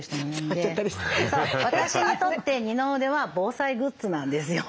私にとって二の腕は防災グッズなんですよ。